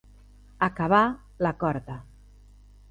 Acabar la corda.